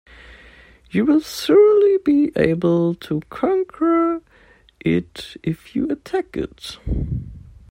You will surely be able to conquer it if you attack it.